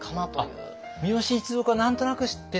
三好一族は何となく知ってた。